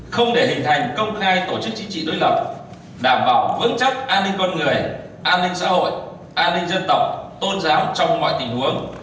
không để hình thành công khai tổ chức chính trị đối lập đảm bảo vững chắc an ninh con người an ninh xã hội an ninh dân tộc tôn giáo trong mọi tình huống